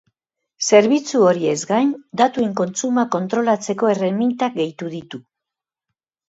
Zerbitzu horiez gain, datuen kontsumoa kontrolatzeko erremintak gehitu ditu.